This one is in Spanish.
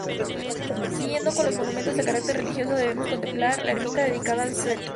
Siguiendo, con los monumentos de carácter religioso, debemos contemplar la Ermita dedicada al Sto.